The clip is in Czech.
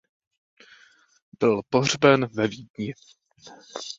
Byl pohřben ve Vídni.